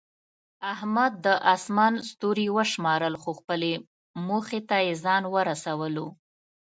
احمد د اسمان ستوري وشمارل، خو خپلې موخې ته یې ځان ورسولو.